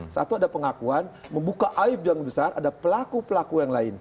satu ada pengakuan membuka aib yang besar ada pelaku pelaku yang lain